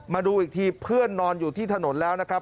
มาดูอีกทีเพื่อนนอนอยู่ที่ถนนแล้วนะครับ